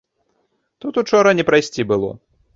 Тут учора не прайсці было!